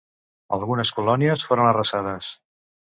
Algunes colònies foren arrasades.